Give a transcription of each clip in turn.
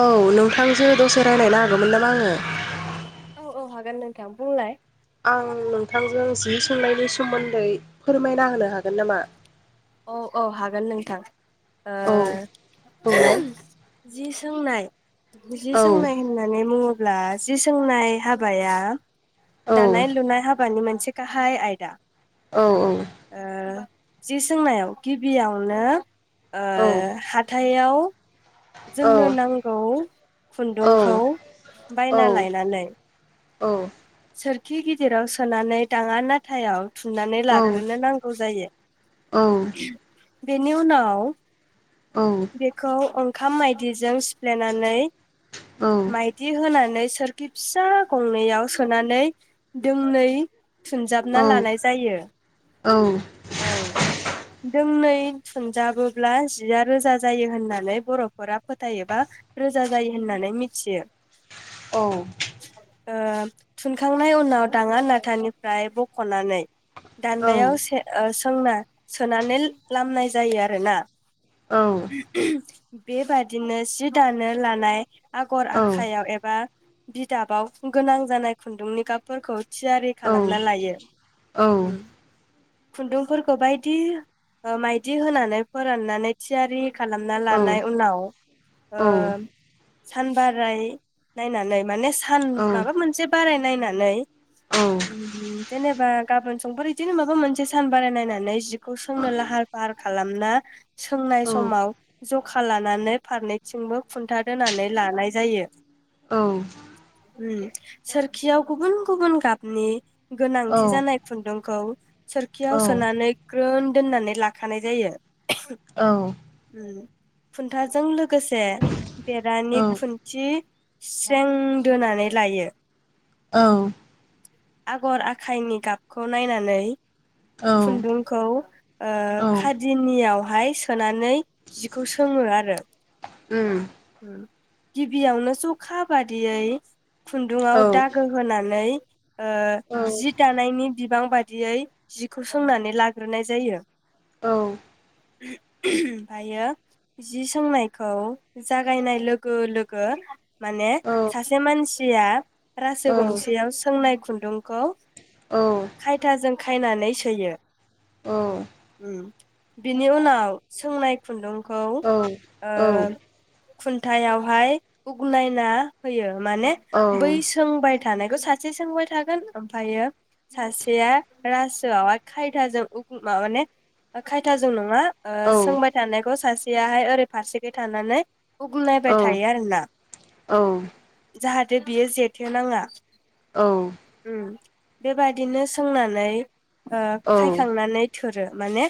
औ नोंथांजो दसे रायलायनो हागो मोन नामा आङो। औ- औ हागोन नोंथां बुंलाय। आं नोंथांजों जि सोंनायनि सोमोन्दै फोरमायना होनो हागोन नामा। औ -औ हागोन नोंथां औ ओ बुंलाय जि सोंनाय जि औ सोंनाय होननानै मुङाव अब्ला जि सोंनाय हाबाया औ दानाय लुनाय हाबानि मोन से गाहाय आइदा। औ -औ जि सोंनायाव गिबियावनो ओ औ हाथाय याव औ जोंनो नांगौ औ खुन्दुंखौ औ बायना लायनानै औ सोर खि गिदिराव सोनानै थाङा नाथायाव सुनानै औ औ लाग्रोनो नांगौ जायो। औ बेनि उनाव औ बेखौ ओं खाम मायदिजों सिफ्लेनानै औ औ मायदि होनानै सोरखि फिसा गंनैयाव सोनानै दोंनै सुनजाबना लानाय जायो। औ। ओं दोंनै थुनजाबोब्ला जिया रोजा जायो होननानै बर फोरा फोथायो बा रोजा जायो होननानै मिथियो। औ। ओ थुनखांनाय उनाव दाङा नाथानिफ्राय बखनानै दान्दायाव से सोंना सोनानै लामनाय जायो आरोना। [unintelligible] बेबादिनो जि दानो लानाय आगर आखाइयाव एबा बिदाबाव गोनां जानाय खुन्दुंनि गाबफोरखौ थियारि खालामना लायो उम खुन्दुंफोरखौ बायदि माइदि होनानै फोराननानै थियारि खालामना लानाय उनाव सानबाराय नायनानै माने सान माबा मोनसे बाराय नायनानै उम जेनेबा गाबोन संफोर बिदिनो माबा मोनसेसो सान बारायनायनानै जि खौ सोंनो लाहार फाहार खालाम ना सोंनाय समाव जखा खा लानानै फारनैथिंबो खुन्था दोनानै लानाय जायो औ उम सोरखियाव गुबुन गुबुन गाबनि गोनांथि जानाय खुन्दुंखौ कियाव सोनानै ग्रोन दोननानै लाखानाय जायो ओम खुन्थाजों लोगो लोगोसे बेरानि खुन्थि स्रें दोनानै लायो औ आगर आखाइनि गाबखौ नायनानै औ खुन्दुंखौ औ उम औ खादिनियाव बहाय सोनानै जिखौ सोङो आरो उम गिबियावनो जखा बादियै खुन्दुाव दागो होनानै ओ जि दानायनि बिबां बायदियै जिखौ सोंनानै लाग्रोनाय जायो। औ ओमफ्रायो जि सोंनायखौ जागायनाय लोगो लोगो माने सासे मानसि या रासो गंसेयाव सोंनाय खुन्दुंखौ खायथाजों खायनानै सोयो औ उम बिनि उनाव सोंनाय खुन्दुं औ औ खुन्थायावहाय उगनायना होयो। माने बै सोंबाय थानायखौ सासे सोंबाय थागोन ओमफायो सासेया रासोआव खायथाजों मा-माने खायथाजों नङा। ओ सोंबाय थानायखौ सासे आहाय ओरै फारसेखै थानानै उगु नायबाय थायो आरोना। जाहाथे बियो जेथो नाङा। औ उम बेबादिनो सोंनानै ओ खायखांनानै थो थोरो माने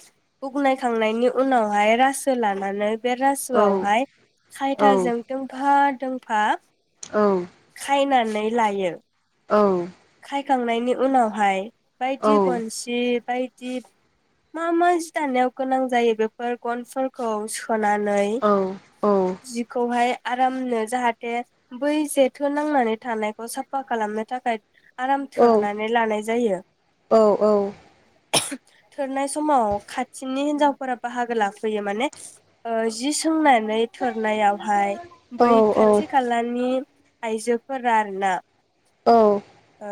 उगुनुखांनायनि उनावहाय रासो लानानै बे रासोआवहाय खायथाजों दोंफा दोंफा औ खायनानै लायो। औ खायखांनायनि उनावहाय बायदि गनसि बाय जि मा मा जि दानायाव गोनां जायो बेफोर गनफोरखौ सो हनानै जिखौहाय आरामनो जाहाथे बै जेथो नांनानै थानायखौ साफा खालामनो थाखाय आराम थोरनानै लानाय जायो। थोरनाय समाव खाथिनि हिन्जावफोरा बाहागो लाफैयो माने ओ जि सोंना नै थोरनायावहाय बै खाथि खालानि आयजोफोर आरोना। औ। ओ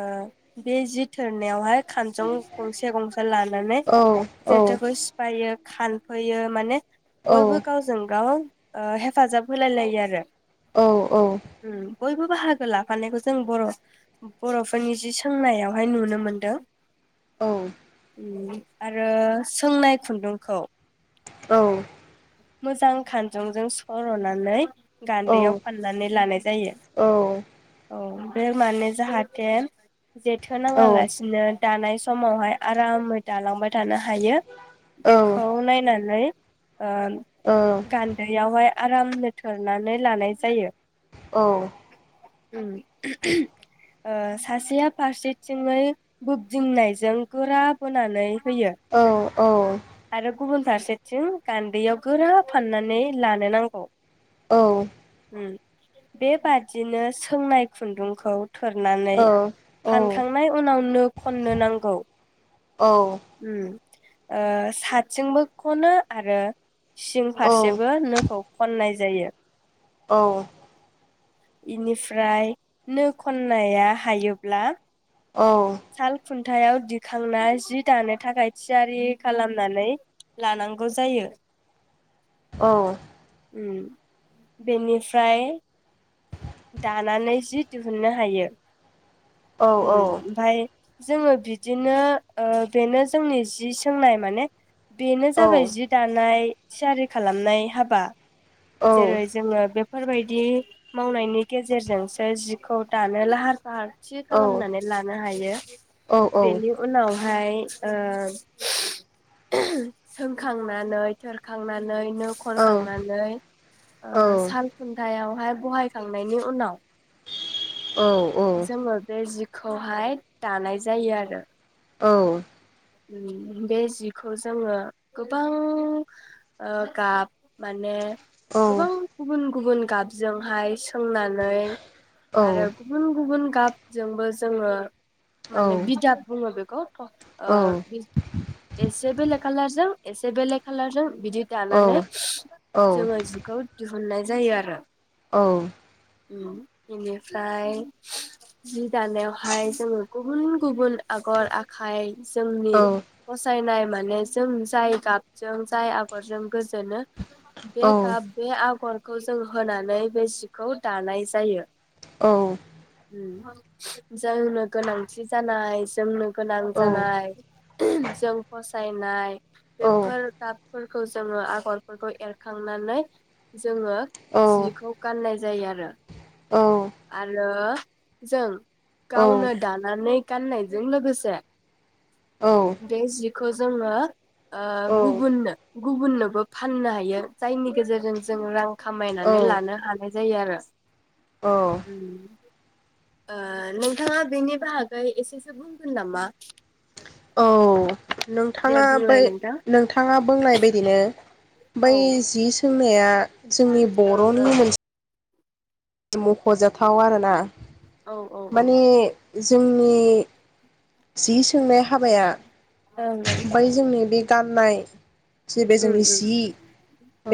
बे जि थोरनायावहाय खानजं गंसे गंसे लानानै जेथोखौ सिफायो । खानफैयो माने बयबो गावजों गाव। ओ हेफाजाब होलाय लायो आरो। औ औ। उम बयबो बाहागो लाफानायखौ जों बर' बर'फोरनि जि सोंनायावहाय नुनो मोनदों। औ। ओ आरो सोंनाय खुन्दुंखौ। औ। मोजां खानजंजों सर'नानै। गान्दैयाव फाननानै लानाय जायो औ। बे माने जाहाथे। जेथो नाङा लासिनो। दानाय समावहाय आरामै दालांबाय थानो हायो बेखौ नायनानै। ओ। गान्दैयाव हाय। आराम नो थोरनानै लानाय जायो। औ। ओम ओ सासेया फारसेथिंयै बोब्दिंनायजों गोरा बोनानै। होयो औ। औ। आरो गुबुन फारसेथिं गान्दैयाव गोरा फाननानै लानो नांगौ। औ। ओम बेबादिनो सोंनाय खुन्दुंखौ। औ थोरनानै फानखांनाय उनाव नो खननो नांगौ उम। ओ। साथजोंबो खनो आरो। सिं फारसेबो नोखौ ख'ननाय जायो। औ। बेनिफ्राय नो ख'ननाया हायोब्ला। औ। साल खुन्थायाव दिखांना जि दानो थाखाय थियारि खालामनानै लानांगौ जायो। औ। ओम बेनिफ्राय। दानानै जि दिहुननो हायो। ओम ओमफाय। जोङो बिदिनो बेनो जोंनि जि सोंनाय माने। बेनो जाबाय जि दानाय। थियारि खालामनाय हाबा। जेरै जोङो बे फोरबायदि मावनायनि गेजेरजोंसो जिखौ दानो लाहार फाहार खालामनानै लानो हायो बेनि उनाव ओमफाय ओ सोंखांनानै थोरखांनानै। नो खनखांनानै ओ साल खुन्थायाव। [unintelligible] बहायखांनायनि उनाव औ औ। जोङो बे जिखौहाय दानाय जायो आरो। औ। ओम बे जिखौ जोङो ओ गोबां गाब माने औ गोबां गुबुन गुबुन गुबुन गाबजोंहाय। सोंनानै औ आरो गुबुन गुबुन गाब जोंबो जोङो। माने बिदाब बुंङो बेखौ खौ। त ओ बि एसे बेलेख कालारजों। एसे बेलेख कालारजों। बिदि दानानै जोङो जिखौ दिहु मोननाय जायो आरो। औ। ओम इनिफ्राय। जि दानायावहाय जोङो गुबुन गुबुन आगर आखाय। जोंनि फसायनाय माने जों जाय गाबजों जाय आगरजों। गोजोनो बे गाब बे आगर। खौ जों होनानै बे सिखौ दानाय जायो। औ ओम जोंनो गोनांथि जानाय जोंनो गोनां जानाय जों फस साइनाय बेफोर गाब फोरखौ जोंङो आगरफोरखौ एरखांनानै जोंङो जिखौ गाननाय जायो आरो। आरो जों गावनो दानानै गाननायजों लोगोसे दाय जिब खौ‌ जोंङो ओ गुबुननो गुबुननोबो फाननो हायो जायनि गेजेरजों जों रां खामायनानै लानो हानाय जायो आरो उम ओ नोंथांङा बेनि बाहागै एसेसो बुंगोन नामा? औ नों दे थांङा बै बुंलाय नोंथां। नोंथांङा मा बुंनाय बायदिनो औ बै जि सों हयया जोंनि ओं बर'नि ओं मोनस मख'जाथाव आरोना औ औ औ माने जोंनि जि सोंनाय हाबाया ओं ओं बै जोंनि बे गाम नाय जे बे जोंनि उम उम सि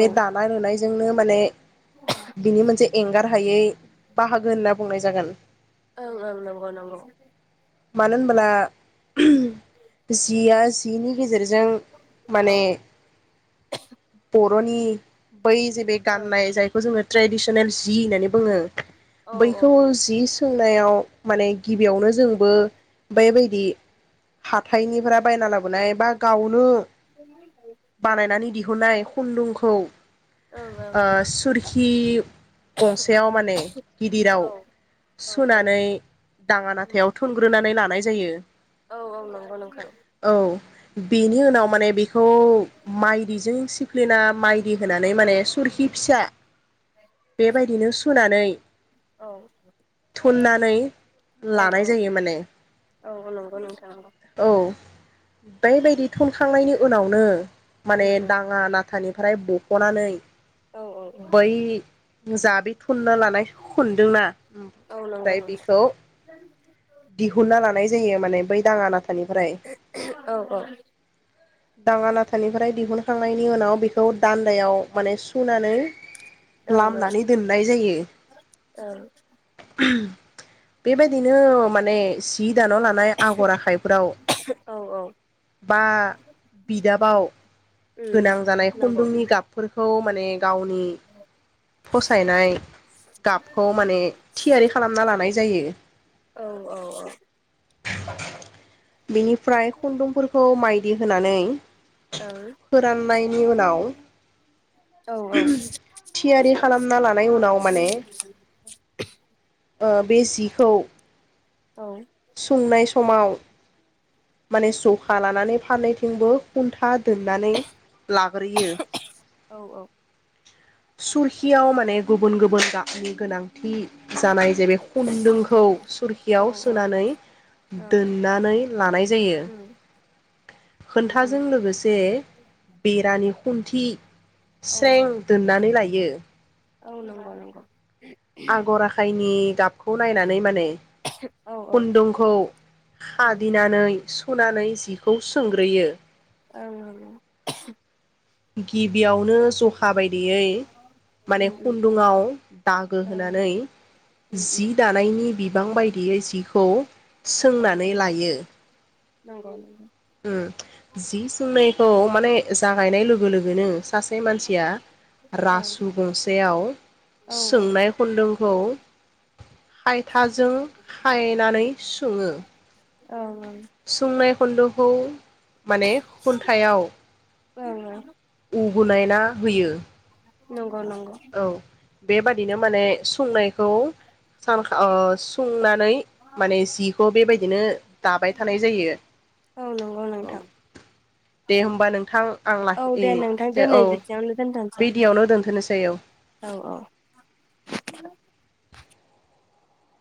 औ बे दानाय लुनाय जोंनो माने बिनि मोनसे एंगार हायै बाहागो होनना बुंनाय जागोन। ओं ओं नंगौ नंगौ। मानो होन ब्ला जिया जिनि गेजेरजों जों माने औ ब र'नि बै जे बे ओं गाननाय ओं जायखौ जोंङो ट्रेदिसनेल जि होननानै बुंङो बैखौ औ जि सों नायाव माने गिबियावनो जोंबो बैबायदि हाथाइनिफोरा बायना लाबोनाय बा गावनो औ ओं बानायनानै दिहुननाय खुन्दुंखौ ओं ओ सुरखि‌ खि गंसेयाव माने गिदिराव औ औ औ सुनानै दांङा उम नाथायाव थुनग्रोनानै लानाय जायो औ औ नंगौ नोंथां बिनि उनाव माने बे खौ माइदिजों सिफ्लिना माइदि होनानै औ माने सरखि फिसा बेबायदिनो सुनानै औ थुननानै औ लानाय औ जायो माने औ नंगौ नोंथां औ बेबायादि थुनखांनायनि उनावनो माने उम उम दांङा नाथानिफ्राय बख'नानै औ औ बै [unintelligible] खुनना लानाय खुन्दोना औ नंगौ ओमफ्राय बेखौ दिहुनना लानाय जायो माने बै दांङा नाथा नाथानिफ्राय दिहुन नोंथां औ दांङा नाथानिफ्राय दिहुन खांनायनि उनाव बेखौ दान्दायाव माने सुनानै ओं लामनानै दोननाय जायो। बेबायदिनो औ माने सि दानो लानाय आगर आखाइफोराव ओं औ औ बा बिदाबाव उम गोनां जानाय नंगौ खुन्दुंनि गाबफोरखौ माने गावनि फसायनाय गाबखौ माने थियारि खालामना लानाय। नाय जायो। औ औ औ। [inaudible] बेनिफ्राय खुन्दुंफोरखौ माइ दि होनानै। ओं फोराननायनि उनाव औ औ। बे खालामना लानाय उनाव माने ओ बे जिखौ औ संनाय स समाव माने सुख खा लानानै फारनैथिंबो खुन्था दोननानै लाग्रोयो औ सुरखियाव माने गुबुन गुबुन गानि गोनांथि जानाय जे बे खुन्दुंखौ सुरखियाव औ सोनानै ओं दोननानै लानाय जायो उम उम उम खोनथाजों लोगोसे बेरानि खुन्थि औ स्रें दोननानै लायो बियो औ नंगौ नंगौ। आगर आखाइनि बेखौ नायनानै माने औ खुन्दुंखौ उम हादिनानै सुनानै जिखौ सोंग्रोयो। औ औ। गिबियाव नो जखाबायदियै माने उम उम खुनदुंआव दागो ओं होनानै उम उम जि दानायनि बि गोबां बाय बियो जिखौ औ सोंनानै लायो नंगौ सम जि सोंनायखौ माने जागायनाय लोगो लोगो बोनो सासे मानसिया नंगौ रासु गंसेयाव ओं औ ओं सोंनाय खुदोंखौ आ। थाजों खायनानै सङो ओं ओं। सुंनाय [unintelligible] माने खुन्थायाव [unintelligible] गौ बोनायना होयो नं नाेंगौ औ बेबादिनो माने सुंनायखौ सान खाव ओ संना नै माने जिखौ बिबाय दिनो दाबाय थानाय जायो औ नंगौ औ नोंथां दे होमबा नोंथां आं औ लाखि दे नोंथां दो दिनै औ बिदियावनो दोनथ'सै बिडियावनो दोनथनोसै सै औ औ औ